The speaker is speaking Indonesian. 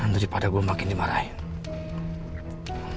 daripada gue makin dimarahin